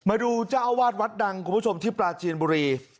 มาดูเจ้าอาวาดวัดดังที่ปลาจีนบุรี